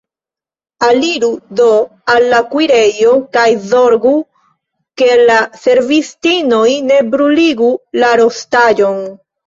Aliru do al la kuirejo, kaj zorgu, ke la servistinoj ne bruligu la rostaĵon.